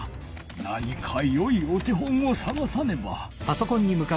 何かよいお手本をさがさねば。